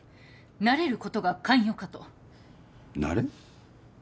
慣れることが肝要かと慣れ？